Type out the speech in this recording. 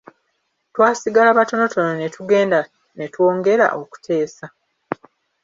Twasigala batonotono ne tugenda ne twongera okuteesa.